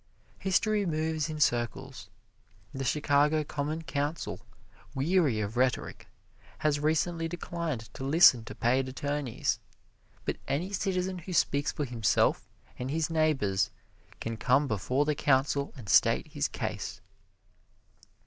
History moves in circles. The Chicago Common Council, weary of rhetoric, has recently declined to listen to paid attorneys; but any citizen who speaks for himself and his neighbors can come before the Council and state his case.